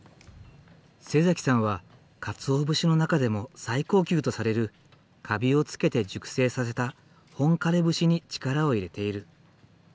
さんは鰹節の中でも最高級とされるカビをつけて熟成させた本枯節に力を入れている。